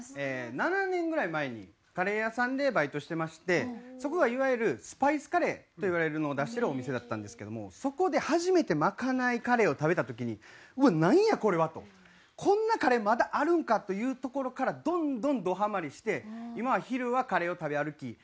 ７年ぐらい前にカレー屋さんでバイトしてましてそこがいわゆるスパイスカレーといわれるのを出してるお店だったんですけどもそこで初めてまかないカレーを食べた時に「うわっ！なんやこれは！」と。「こんなカレーまだあるんか！」というところからどんどんどハマりして今は昼はカレーを食べ歩き